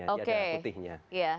oke tujuh belas ribuan itu ya